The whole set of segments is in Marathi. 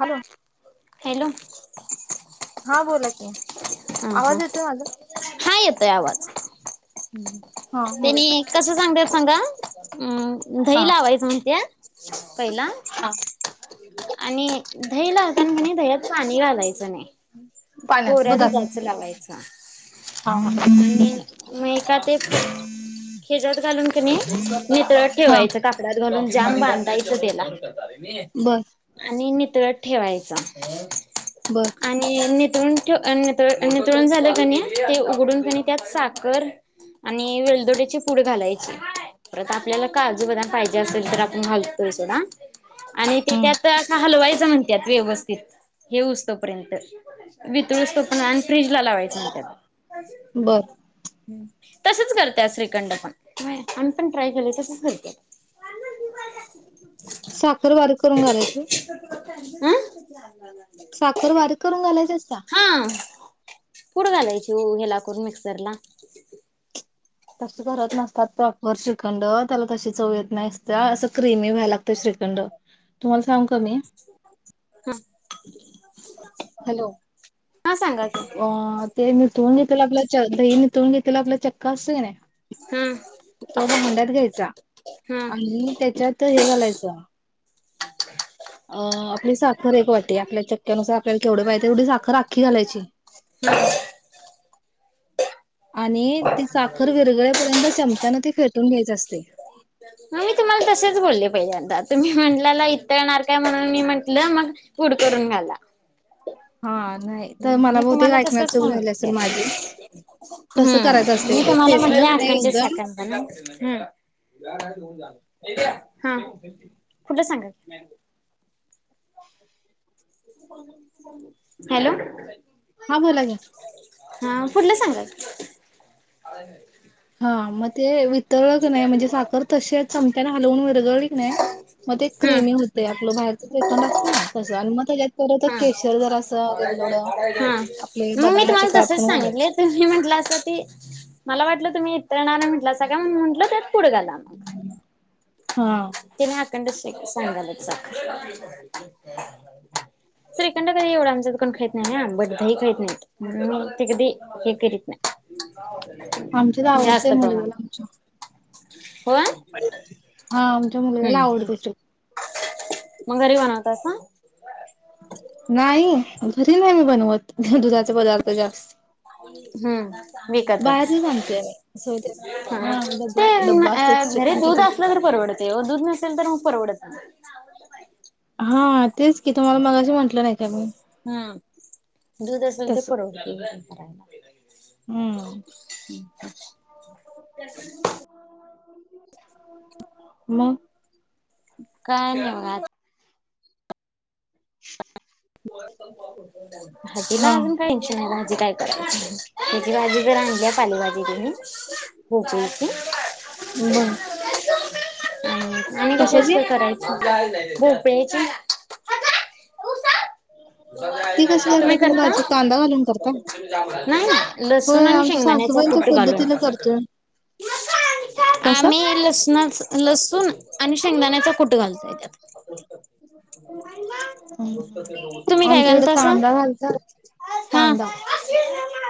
Hello hello. हा बोला की ह हा आवाज येतोय माझा हा येतोय आवाज. हा बोला त्यांनी कस सांगते सांगा. अम् हा दही लावायच म्हणत्या पहिला आणि दही लावताना की नाही दह्यात पाणी घालायचं नाही. पाण्यात कोऱ्या दुधात दुधाच लावायच. हा आणि म एकात एक शीजत घालून कीणी नितळ ठेवायचं कापड्याात घालून जाम बांधायचं त्याला. बर आणि नितळ ठेवायच बर आणी नीत ळून ठे नितळून झालं कणी ते उघडून कणी त्यात साखर आणि वेलदोडची फूड घालायची. परत आपल्याला काजू, बदाम पाहिजे असेल तर आपण घालतोय सोडा. आणि ते त्यात असं हलवायचं च म्हणत्यात व्यवस्थित हे हुसुपर्यंत वितळूस तोपर्यंत आन फ्रीज ला लावायचं म्हण त्या. बर तसच करत्या श्रीखंड पण, व्हय आम्ही पण ट्राय केले तसंच करात्यात. [unintelligible] साखर बारीक करून घालायची. अ साखर बारीक करून घालायची असत्या हा. पुढ घालायची घ्याला करून मिक्सरला. तस करत नसतात प्रा पर श्रीखंड त्याला तशी चवयेत नसत्या असं क्रिमी मी व्हायला लागतं श्रीखंड. तुम्हाला सांग क मी हम. हॅलो हा सांगा की अ ते निथळून घेतलेलं आपला च दही निथळून घेतलेला आपला चक्का असते कीनाय हा तो भांड्यात घ्यायचा हा आणि त्याच्यात ते हे घालायच [unintelligible] अ आपली साखर एक वाटे, आपल्या चक्क्यानुसार आपल्याला केवढे पाहिते एवढी साखर आखी घालायची. [unintelligible] आणि ती साखर विरगळपर्यंत चमचान ती फेटून घ्यायच असते. आणि ती म, तसेच बोलले पहील्यादा तुम्ही म्हटल्याला इतळनार काय म्हणून मी म्हंटलं मग पूड करून घाला. ह [unintelligible] हा नाही तर मला मी बहुतेक तुम्हाला ऐकण्यात तसच चूक झाली असेल सांगतेय माझी. तसं हम् करायचं असते मी ते तुम्हाला म्हणटल फेटलं क नाही एकदम [unintelligible] हम्म हा कुठ सांगा. हॅलो हा बोला की. हा पुुढलं सांगा. हा म ते वितळकनाय नाही म्हणजे साखर तसेच हालवून विरघळलीकनय म ते हम्म क्रीमी होते आपल बाहेरच श्रीखंड असतनई तस आण म हा हा आपले मी तुम्हाला बदामाचे काप तसच पण घालायचे. सांगितले तुम्ही म्हणटला अस ते मला वाटलं तुम्ही [unintelligible] म्हंटलासा का मी म म्हटलं त्यात पुड घाला. हा तेनि आखंड स सांगायलयात श्रीखंड कधी एवढा आमच्यात कोण खाईत नाही ना आंबट दही खाईत नाईत म्हणून मी ते कधी हे करीत नाही. आमच्यात आवडतंय जास्त प्रमाण मुलग्याला आमच्या. हा आमच्या मुलग्याला हम्म आवडतय श्री मग घरी बनवतासा. नाई घरी नाही मी बनवत दुधाचे पदार्थ जास्त. हम्म बाहेरचच विकतच आणतोय आम्ही हा ते डब्बा न डब्बा आ असतात श्रीखंडचे दूध ते. असलं तर परवडतय ओ दूध नसेल तर मग परवडत ना हा तेच की तुम्हाला मगाशी म्हटलं नाही काय मी. हम्म दूध असेल तर तसं परवडतय ते करायला. हम्म म काय नाय बघ आज. [inaudible] हा भाजीला अजून टेन्शन आहे भाजी काय करायची तुझी भाजी [inaudible] पालेभाजी त्यांनी [inaudible] ह बर आणि कशी कशाची असत्या करायची भोपळा्याची ती कशी [inaudible] तुम्ही करता भाजी कांदा घालून करता. नाही लसूण होय आणि आमच्या शेंगदाण्याचा सासूबाईंच्या कुट घालून. पद्धतीने करतोय कसं. आम्ही लसणाच लसूण आणि शेंगदाणा कुट घालतोय त्यात तुम्ही काय आमच्याकडं घालतासा? कांदा घालतात. हा कांदा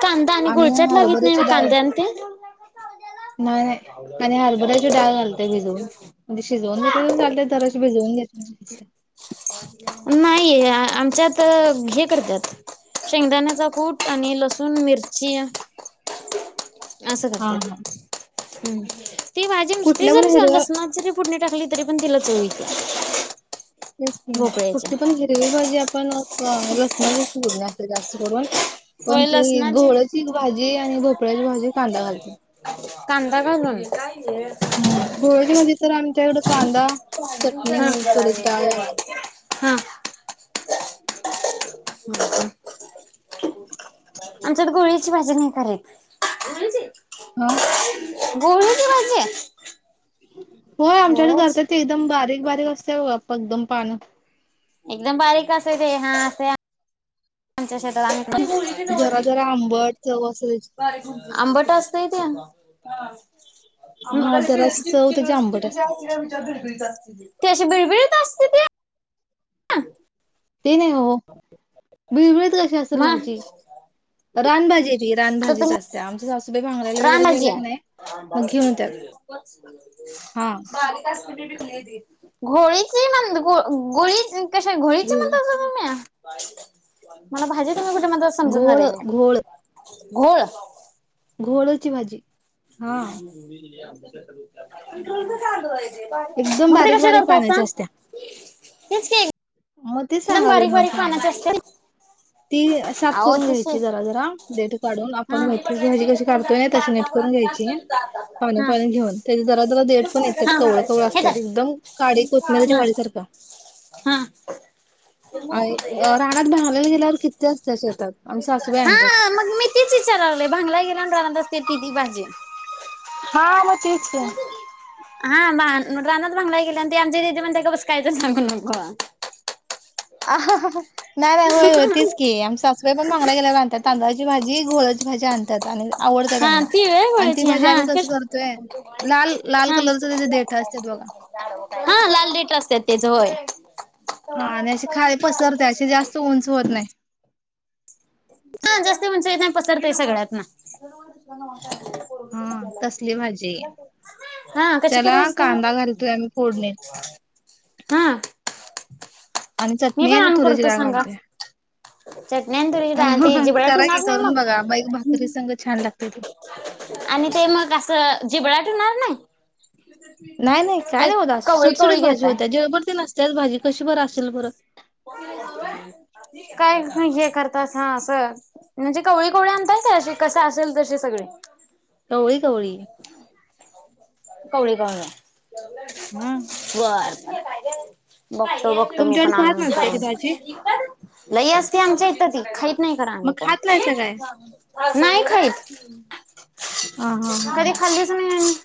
कांदा आणि गुळचाट लागीत नाही हारभराची डाळ. कांद्या आणि ते? [inaudible] नाही नाही आणि हरभऱ्याची डाळ घालतोय भिजवून म्हणजे शिजवून घेतली बी चालतंय जराशी भिजवून घेत [inaudible] नाहीये आम् त हे करत्यात शेंगदाण्याचा कुट आणि लसूण, मिरची [inaudible] असं हा हा करत्यात हम्म ती भाजी नुसती कुठल्या पण जरी हिरव्या लसणात जरी फुडणी टाकली तरी पण तिला चव येत्या. तेच की भोपळ्याच्या. कुठली पण हिरवी भाजी आपण अ ह लसणाचीच फोडणी असत्या जास्त करून पण होय ते लसणाची घोळ्याची ग भाजी आणि भोपळ्याची भाजी कांदा घालतय कांदाा काज हम्म भोळ्याची भाजी तर आमच्याकडे कांदा चटणी तुरीची डाळ घालते ह आमच्या तर गोळीची भाजी नाही खच हा गोोल की माझे होय आमच्याकडे करता ते एकदम बारीक बारीक असते आप एकदम पानं एकदम बारीक असे ते हा असे आमच्या शेतात जरा जरा आंबट चव असते त्याची ु आंबट असतय ते हा आ जराशी चव त्याची आंबट असते सगळ्या विचार भेतात ते अे बिळबिळत असते ते ते नाही हो बिळबिळत कशी असेल मग भाजी रानभजी रान तर भाजीच तुम्ही असतते आमच्या सासूबाईांगरायला वगैरे गेल्या नाही मग घेऊन येतात हा बारीक घोळीची म्हण गोळी कश घोळीची घोळ म्हणत तु्ही मला भाजी तुम्ही कुठे म समजणार आहे घोळ नाही घोळ घोळची भाजी हा चालू एकदम मग ते बारीक कसे बारीक करत असता पाण्याची असत्या तेच मग ते एकदम सांगाल बारीक न बारीक का पानाचे असते ती साफ अहो करून घ्यायची तसे जरा जरा देट काढून आपण मेथीची भाजी कशी काढतोय तशी नट घ्याय पा पा घेऊ हा पणव हे धर कोतमेरच्या वाडी सारखा हम अ राहण्यात बांगरलेला गेल्यावर किती असतात शेतात आम सासूबाई आणतात हा मग मी तीच विचारले भांगला गेला आणिडला असते ती ती भाजी हा म तेठीच हा रानात बांगलाय गेली आणि त आमची दिदी म्हण ते का बसकायचं सांगून नको अ नाही नाही होय होतीच की आम सासूवाई पण माांगला गेल्यावर बांतात तांदळाची भाजी घोळ्याची भाजी आणतात आणि आवडतेय हा त्यांना ती व्हय आणि ती होळीची म्हणजे हा आम्ही कसं करतोय लाल लाल हा कलरच त्याचे देठ असत बघ हा लाल लेट असतात त्याच होय हा आणि अशी खाली पसरते अशी जास्त उंच होत नाही हा जास्त म्हणस येत नाही पसरतय सगळ्यात ना सला हा तसली भाजी हा कशी त्याला करायच ते कांदा घालतोय आम्ही फोडणीत हा आणि मी चटणी पण आणि तुरेची गय घालते चटण्या तरी ते जिबड ठ करा की होणार नाही करून बघा बाईक भाकरी मग संग छान लागते ती. आणि ते मग असं जिबळाट होणार नाही नाही नाही काय नाही होत अ कवळी सुटसुटीत कवळी भाजी घेताय. होत्या जळभरती नसतच भाजी कशी बर असेल बरं हो [unintelligible] [inaudible] काय हे करतास हां असं म्हणजे कवळी कवळी आणताय अशी कस असेल तसे सगळे कवळी कवळी कोौळी का हम् बघतो बघतो मी तुमच्याकडे पण खात आनून नाहीत काय ती करन भाजी लई असते आमच्याैत ती ख नाही खरा आम्ही मग कोण खात नाहीसा काय? नाही ख हा हा हा कधी हा खालीच नाही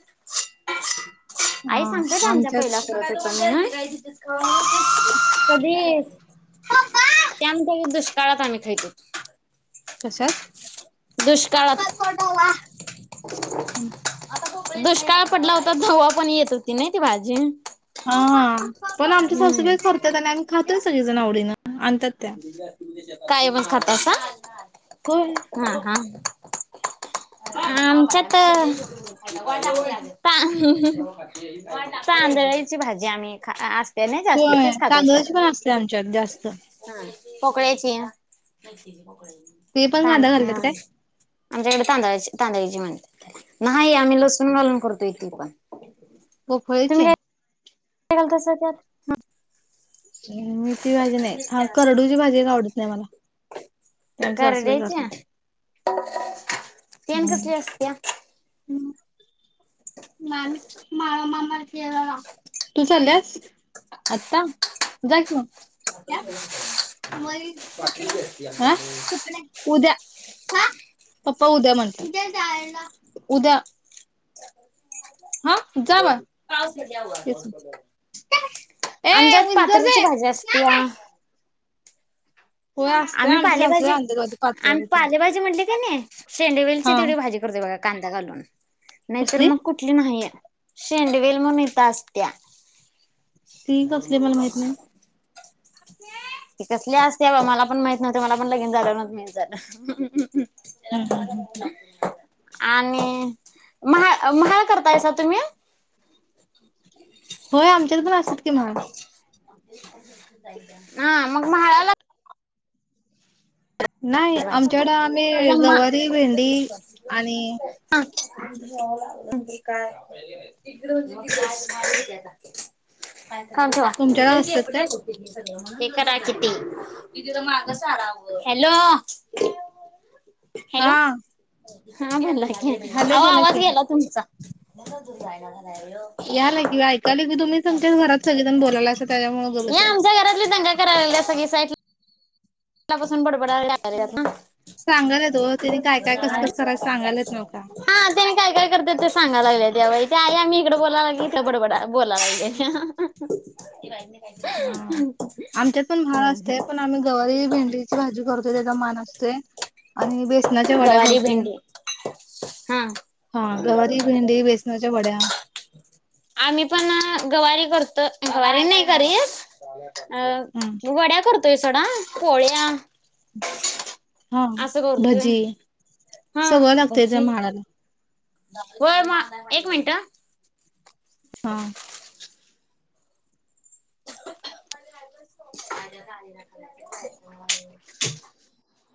आणि आई सांगत्या की हा आमच्या आमच्यात पहिल्या करत होत्या म्हणून कधी त्या म्हणत्यात की दुष्काळात आम्ही खात होतो तशाच दुष्काळात. दुष्काळ पडला होता तव्हा पण येत होती नय ती भाजी हा पण आमच्या हम्म. सासूबाई करत्यात आणि आम्ही खातोय सगळीजण आवडीनं आणत्यात त्या कायमच खातासा. होय. हा हा आमच्या त ता [inaudible] तांदळेची भाजी आम्ही खा असते नाही जास्ती होय तीच खातोय तांदळची शक्यतो. पण असत्या आमच्यात जास्त पोकळ्याची ते पण तांद कांदा घातल्यात काय आमच्याकडे तांदळाची तांदळाची म्हणत्यात त्याला नाही आम्ही लसूण घालून करतो ती पण तुम्ही पोकळीची काय घालतासा त्यात मिती भाजी नाही. हा करडूची भाजी एक आवडत नाही मला ते आमची सासूबाई करड्याची करतात. ती आणि हम्म. कसली असत्या मामी मामा मामा आता जा की मग [inaudible] अ उद्या [inaudible] पंपा उद्या म्हटल्यात. उद्या हा जा बाळ [inaudible] तेच ए आमच्यात उंजर दे पातरिची भाजी असत्या होय असतय आम्ही आमची सासू पालेभाजी आणत्यात बघा ती पात्र आम्ही बित्र पालेभाजी म्हणल की की नाही शेंडवेलची हा तेवढी भाजी करतोय बघा कांदा घालून नाहीतर कसली मग कुठली नाहीय शेंडवेल म्हणून हित असत्या ती कसली मला माहित नाही हो ती कसली असत्या बाबा मला पण माहित नव्हत मला पण लगीन झाल्यावरच माहित झालं हम्म हम्म हम्म [inaudible] आणि महा म्हाळ करतायसा तुम्ही होय आमच्यात पण असत्यात की म्हाळ हा मग म्हाळाला ह नाही आमच्याकडे [inaudible] आम्ही गवारी भेंडी आणि काय [inaudible] थांब थोडा तुमच्याकडे असतात का हे करा ते [inaudible] हे तीत माग साराव. Hello hello. हा हा बोला हॅलो आओ बोला आवाज की गेला तुमचा हे याला की ऐकायला की तुम्ही तुमच्याच घरात सगळेजण बोलायला असं त्याच्यामुळे उगं बसलेला. आमच्या घरातली दंगा दंगा करायला लागल्यात सगळी साईट साईटला बसून बडबडायला लागल्यात ना चांग [inaudible] हा नव का त्यांनी काय काय करत्यात ते सांगाला लागल्या जेवाय ते आल्या आम्ही इकडे बोलाय लागलोय इथं बडबडाय बोलाय लागले हा आमच्यात पण म्हाळ हम्म असय पण हम्म आम्ही गवारी भेंडीची भाजी करतोय त्याचा मान असतोय आणि बेसनाच्या वड्या गवारी करतोय भेंडी हा. हा गवरी भिंडी बेसण्याच्या वड्या आम्ही पण गवारी तर गवारी नाही सोडा हम्म अ वड्या करतोय सोडा पोळ्या हा असं करतोय भजी हा सगळं प लागतंय त्या म्हाळाला होय मग एक मिनिट हा हा अ